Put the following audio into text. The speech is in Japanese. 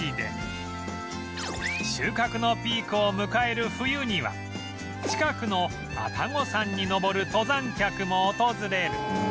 収穫のピークを迎える冬には近くの愛宕山に登る登山客も訪れる